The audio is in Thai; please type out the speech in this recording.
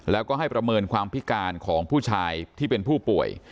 แล้วก็ให้ประเมินความพิการของผู้ชายที่เป็นผู้ป่วย